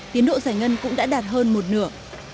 tiến độ giải ngân cũng đã đạt hơn một nửa